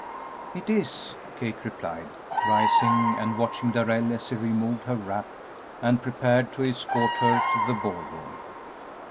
"It is," Kate replied, rising and watching Darrell as he removed her wrap and prepared to escort her to the ball room.